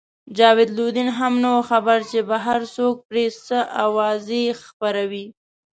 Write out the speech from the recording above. جاوید لودین هم نه وو خبر چې بهر څوک پرې څه اوازې خپروي.